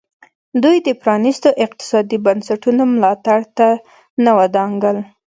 دوی د پرانیستو اقتصادي بنسټونو ملاتړ ته نه ودانګل.